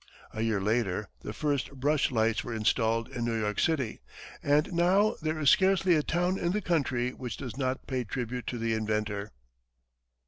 A year later, the first Brush lights were installed in New York City, and now there is scarcely a town in the country which does not pay tribute to the inventor.